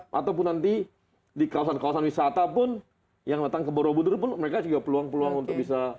ataupun nanti di kawasan kawasan wisata pun yang datang ke borobudur pun mereka juga peluang peluang untuk bisa